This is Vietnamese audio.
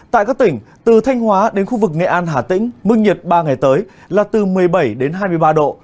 tại các tỉnh từ thanh hóa đến khu vực nghệ an hà tĩnh mức nhiệt ba ngày tới là từ một mươi bảy đến hai mươi ba độ